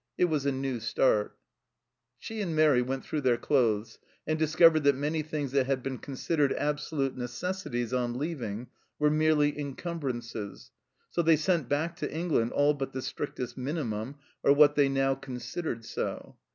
It was a new start. She and Mairi went through their clothes, and discovered that many things that had been con sidered absolute necessities on leaving were merely encumbrances; so they sent back to England all but the strictest minimum, or what they now con sidered so.